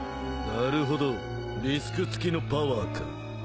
なるほどリスク付きのパワーか。